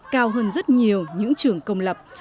cao hơn rất nhiều những trường công lập